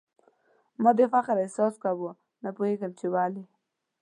ما د فخر احساس کاوه ، نه پوهېږم چي ولي ؟